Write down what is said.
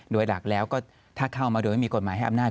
โดยหลักแล้วก็ถ้าเข้ามาโดยไม่มีกฎหมายให้อำนาจ